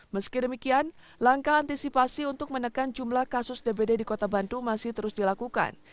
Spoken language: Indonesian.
meski demikian langkah antisipasi untuk menekan jumlah kasus dpd di kota bandung masih terus dilakukan